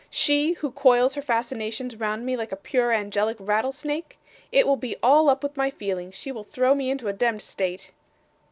She, who coils her fascinations round me like a pure angelic rattlesnake! It will be all up with my feelings; she will throw me into a demd state.